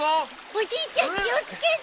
おじいちゃん気を付けて。